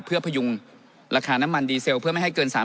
เพื่อพยุงราคาน้ำมันดีเซลเพื่อไม่ให้เกิน๓๐